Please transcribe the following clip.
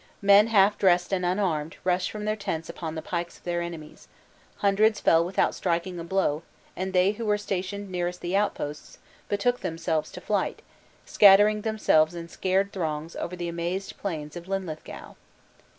Men half dressed and unarmed, rushed from their tents upon the pikes of their enemies; hundreds fell without striking a blow, and they who were stationed nearest the outposts, betook themselves to flight, scattering themselves in scared throngs over the amazed plains of Linlithgow.